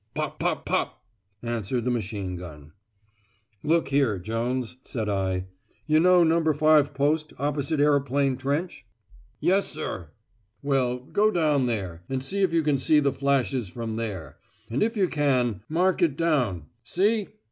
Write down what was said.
"Pop pop pop," answered the machine gun. "Look here, Jones," said I. "You know No. 5 post, opposite Aeroplane Trench?" "Yes, sir!" "Well, go down there, and see if you can see the flashes from there; and if you can, mark it down. See?"